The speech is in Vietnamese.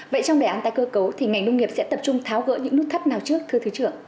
vậy trong đề án tái cơ cấu thì ngành nông nghiệp sẽ tập trung tháo gỡ những nút thắt nào trước thưa thứ trưởng